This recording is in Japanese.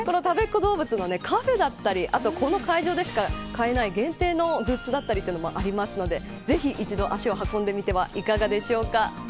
このたべっ子どうぶつのカフェだったりあと、この会場でしか買えない限定のグッズだったりもあるのでぜひ、一度足を運んでみてはいかがでしょうか。